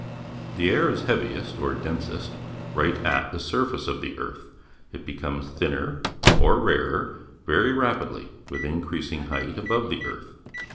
The air is heaviest, or densest, right at the surface of the earth. It becomes thinner, or rarer, very rapidly with increasing height above the earth.